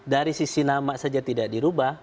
dari sisi nama saja tidak dirubah